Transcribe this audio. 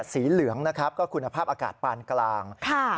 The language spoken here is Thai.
สีเหลืองนะครับก็คุณภาพอากาศปานกลาง